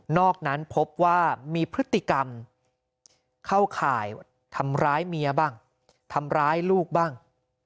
อกนั้นพบว่ามีพฤติกรรมเข้าข่ายทำร้ายเมียบ้างทำร้ายลูกบ้าง